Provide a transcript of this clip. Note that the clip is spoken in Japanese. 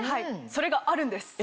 それがあるんです！